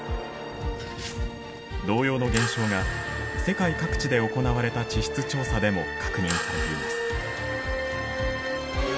同様の現象が世界各地で行われた地質調査でも確認されています。